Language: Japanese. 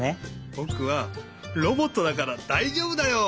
ぼくはロボットだからだいじょうぶだよ！